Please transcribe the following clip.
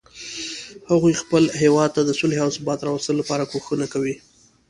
هغوی خپل هیواد ته د صلحې او ثبات راوستلو لپاره کوښښونه کوي